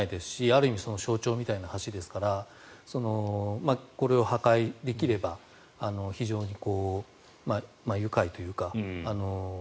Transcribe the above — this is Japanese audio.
ある意味象徴みたいな橋ですからこれを破壊できれば非常に愉快というか。